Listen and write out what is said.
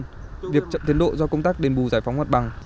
vì vậy việc chậm tiến độ do công tác đền bù giải phóng hoạt bằng